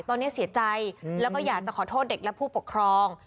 ตอนนี้เสียใจแล้วก็อยากจะขอโทษเด็กและผู้ปกครอง